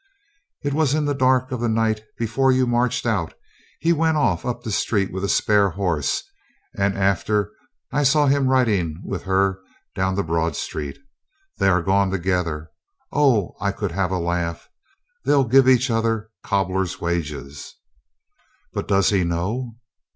"It was in the dark of the night before you marched out He went off up the street with a spare horse and after I saw him riding with her down the Broad Street. They are gone together. O, I could have a laugh. They'll give each other cobbler's wages. ... But, does he know?"